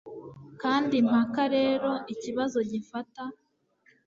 Kandi impaka rero ikibazo gifata